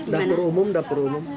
dapur umum dapur umum